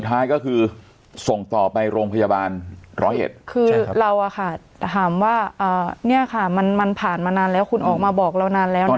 ท้ายก็คือส่งต่อไปโรงพยาบาลร้อยเอ็ดคือเราอะค่ะถามว่าเนี่ยค่ะมันมันผ่านมานานแล้วคุณออกมาบอกเรานานแล้วนะ